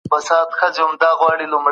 علم د انسان سترګې روښانه کوي.